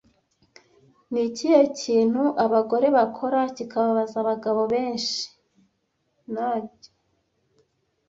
Ni ikihe kintu abagore bakora kibabaza abagabo benshi Nag